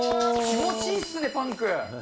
気持ちいいですね、パンク。